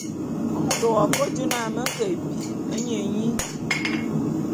Mot w'ake jô na me ke bi nye nyi.